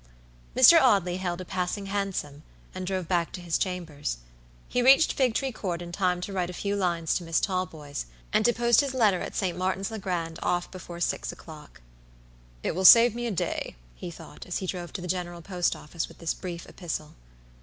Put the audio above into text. Mr. Audley hailed a passing hansom, and drove back to his chambers. He reached Figtree Court in time to write a few lines to Miss Talboys, and to post his letter at St. Martin's le Grand off before six o'clock. "It will save me a day," he thought, as he drove to the General Post Office with this brief epistle.